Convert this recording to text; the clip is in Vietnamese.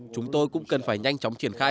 chúng tôi cũng cần phải nhanh chóng triển khai